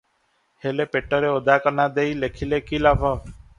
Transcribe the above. ହେଲେ ପେଟରେ ଓଦାକନା ଦେଇ ଲେଖିଲେ କି ଲାଭ?